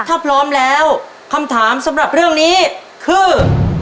ถ้าพร้อมแล้วคำถามสำหรับเรื่องนี้คือ